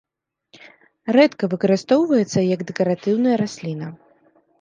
Рэдка выкарыстоўваецца як дэкаратыўная расліна.